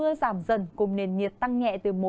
sau đó mưa giảm dần cùng nền nhiệt tăng nhẹ từ một đến hai độ